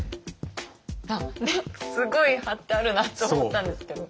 何かすごい貼ってあるなって思ったんですけど。